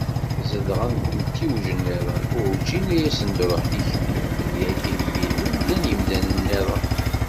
Zedɣen deg umtiweg-nniḍen, urǧin i asen-d-truḥ tikti belli akkin i yillel, llan yimdanen-nniḍen.